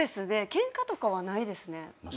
ケンカとかはないですね。